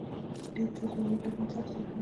لید د زاویې بدلون ته اړتیا لري.